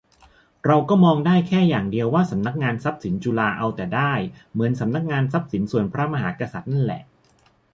เราก็มองได้แค่อย่างเดียว ว่าสนง.ทรัพย์สินจุฬาเอาแต่ได้ เหมือนสนง.ทรัพย์สินส่วนพระมหากษัตริย์นั่นแหละ